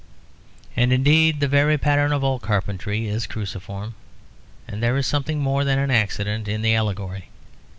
And indeed the very pattern of all carpentry is cruciform, and there is something more than an accident in the allegory.